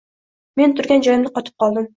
Men turgan joyimda qotib qoldim.